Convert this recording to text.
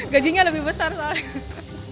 gajinya lebih besar soalnya